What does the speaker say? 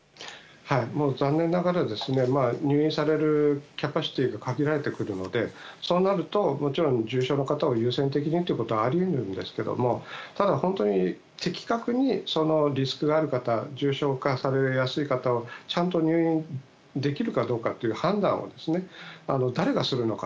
残念ながら入院されるキャパシティーが限られてくるのでそうなると重症の方を優先的にということはあり得るんですけどもただ、本当に的確にそのリスクがある方重症化されやすい方をちゃんと入院できるかどうかという判断を誰がするのか。